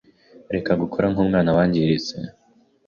Reka gukora nkumwana wangiritse.